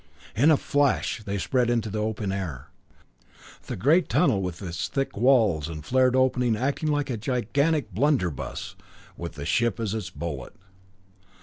In a flash they sped into the open air, the great tunnel with its thick walls and flared opening acting like a gigantic blunderbus, with the ship as its bullet.